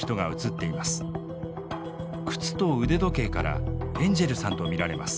靴と腕時計からエンジェルさんと見られます。